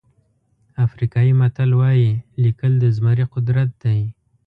افریقایي متل وایي لیکل د زمري قدرت دی.